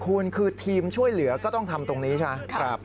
คุณคือทีมช่วยเหลือก็ต้องทำตรงนี้ใช่ไหม